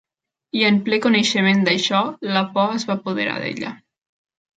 I en ple coneixement d'això, la por es va apoderar d'ella.